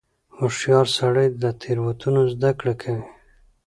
هوښیار سړی له تېروتنو زده کړه کوي.